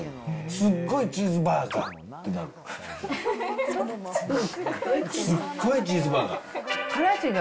すっごいチーズバーガーみたいな。